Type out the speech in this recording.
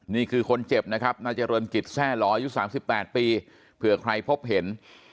นี่คือคนเจ็บนะครับนายเจริญกิจแทร่หล่ออายุ๓๘ปีเผื่อใครพบเห็น